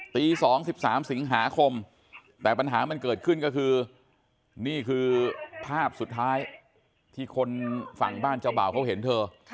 ตี๒๓สิงหาคมแต่ปัญหามันเกิดขึ้นก็คือนี่คือภาพสุดท้ายที่คนฝั่งบ้านเจ้าบ่าวเขาเห็นเธอ